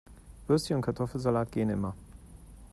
Würstchen und Kartoffelsalat gehen immer.